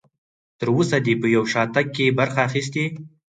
تر اوسه دې په یو شاتګ کې برخه اخیستې؟